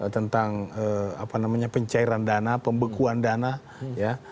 tentang apa namanya pencairan dana pembekuan dana ya